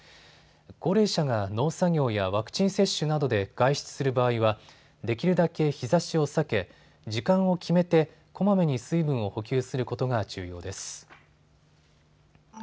高齢者が農作業やワクチン接種などで外出する場合はできるだけ日ざしを避け時間を決めて、こまめに水分を補給することが重要です。